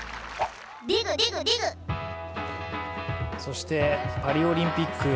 そして、パリオリンピック